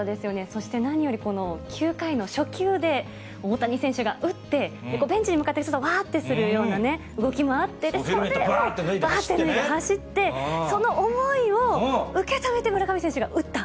そして何より、９回の初球で大谷選手が打って、ベンチに向かって、わーっとするようなね、動きもあって、わーって走って、その思いを受け止めて、村上選手が打った。